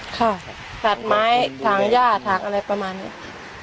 ค่ะตัดไม้ถางย่าถางอะไรประมาณนี้